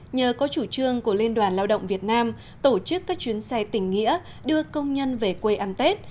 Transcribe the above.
nhờ có chủ trương của liên đoàn lao động việt nam tổ chức các chuyến xe tỉnh nghĩa đưa công nhân về quê ăn tết